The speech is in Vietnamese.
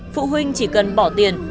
phụ huynh chỉ cần bỏ tiền